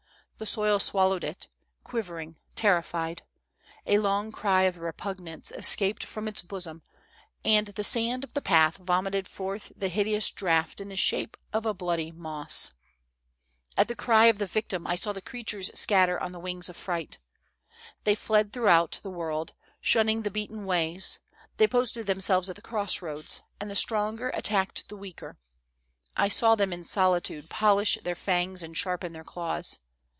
The soil swallowed it, quivering, terrified ; a long cry of repugnance escaped from its bosom, and the sand of the path vomited forth the hideous draught in the shape of bloody moss. "At the cry of the victim, I saw the creatures scatter on the wings of fright. They fled throughout the world, shunning the beaten ways; they posted them selves at the cross roads, and the stronger attacked the weaker. I saw them in solitude polish their fangs and sharpen their claws.